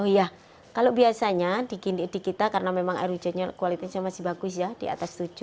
oh iya kalau biasanya di kita karena memang air hujannya kualitasnya masih bagus ya di atas tujuh